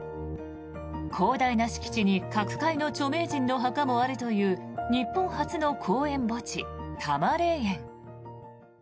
広大な敷地に各界の著名人の墓もあるという日本初の公園墓地、多磨霊園。